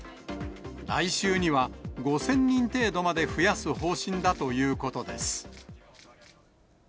来週には、５０００人程度まで増やす方針だということです。